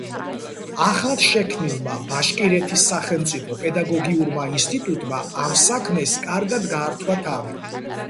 ახლად შექმნილმა ბაშკირეთის სახელმწიფო პედაგოგიურმა ინსტიტუტმა ამ საქმეს კარგად გაართვა თავი.